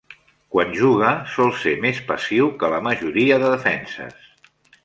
Quan juga sol ser més passiu que la majoria de defenses.